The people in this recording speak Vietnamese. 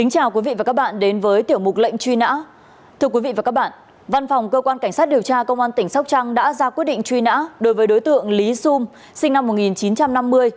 thưa quý vị và các bạn văn phòng cơ quan cảnh sát điều tra công an tp hcm đã ra quyết định truy nã đối với đối tượng lý xum sinh năm một nghìn chín trăm năm mươi